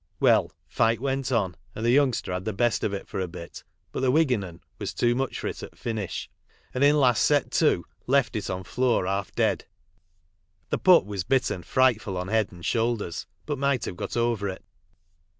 Well, fight went on, and the youngster had the best of it for a bit, but the Wiggin 'un was too much for it at finish, and in last set to left it on floor half dead. The pup was bitten frightful on head and shoulders, but might have got over it.